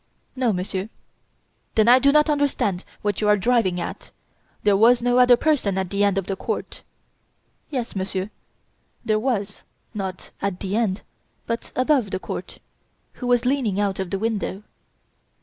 "No, Monsieur!" "Then I do not understand what you are driving at. There was no other person at the end of the court." "Yes, Monsieur, there was, not at the end, but above the court, who was leaning out of the window."